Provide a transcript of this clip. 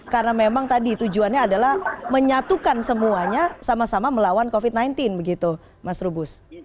karena memang tadi tujuannya adalah menyatukan semuanya sama sama melawan covid sembilan belas begitu mas rubus